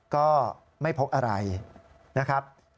ก็ไม่พบอะไรนะครับ